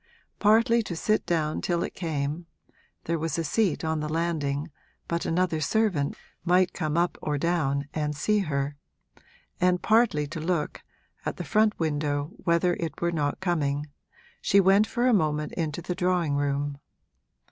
Partly to sit down till it came (there was a seat on the landing, but another servant might come up or down and see her), and partly to look, at the front window, whether it were not coming, she went for a moment into the drawing room.